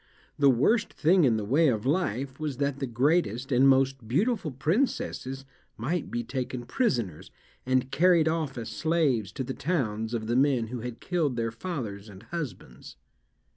The worst thing in the way of life was that the greatest and most beautiful princesses might be taken prisoners, and carried off as slaves to the towns of the men who had killed their fathers and husbands.